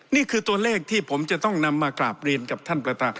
นี่คือตัวเลขที่ผมจะต้องนำมากราบเรียนกับท่านประธาน